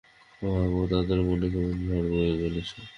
ভাবো তো তাদের মনে কেমন ঝড় বয়ে চলেছে।